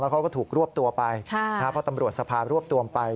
เขาก็ถูกรวบตัวไปเพราะตำรวจสภารวบตัวไป